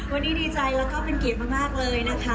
วันนี้ดีใจแล้วก็เป็นเกียรติมากเลยนะคะ